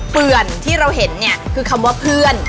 เปื่อนที่เราเห็นเนี่ยคือคำว่าเพื่อน